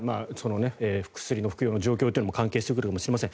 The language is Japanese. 薬の服用の状況というのも関係してくるのかもしれません。